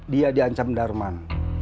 dia diancam darman